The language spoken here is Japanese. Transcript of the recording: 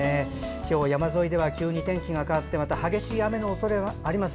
今日は山沿いでは急に天気が変わって激しい雨の恐れがあります